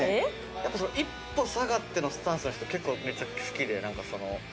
やっぱ一歩下がってのスタンスの人結構めっちゃ好きでなんかその。